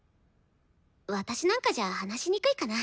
私なんかじゃ話しにくいかな？